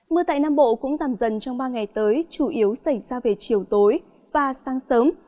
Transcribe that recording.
mưa tại nam bộ cũng giảm dần trong ba ngày tới chủ yếu xảy ra về chiều tối và sáng sớm